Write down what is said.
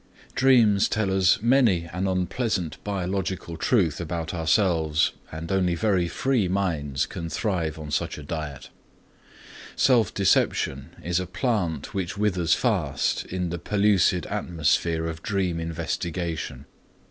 Dreams tell us many an unpleasant biological truth about ourselves and only very free minds can thrive on such a diet. Self deception is a plant which withers fast in the pellucid atmosphere of dream investigation.